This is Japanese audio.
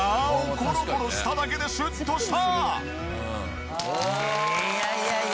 コロコロしただけでシュッとした！